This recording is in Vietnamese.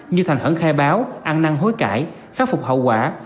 như thành khẩn khai báo ăn năng hối cãi khắc phục hậu quả